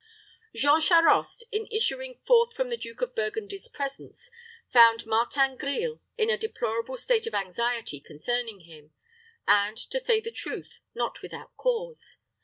Jean Charost, in issuing forth from the Duke of Burgundy's presence, found Martin Grille in a deplorable state of anxiety concerning him, and, to say the truth, not without cause.